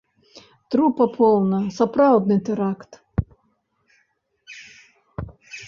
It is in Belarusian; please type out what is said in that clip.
Трупа поўна, сапраўдны тэракт!